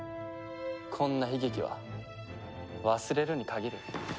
こんな悲劇は忘れるに限る。